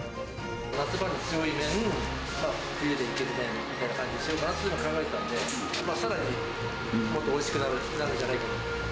夏場に強い麺、冬でいける麺みたいな感じにしようかなというのは考えてたんで、さらにもっとおいしくなるんじゃないかなと。